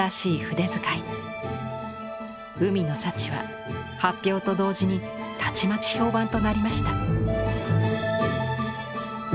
「海の幸」は発表と同時にたちまち評判となりました。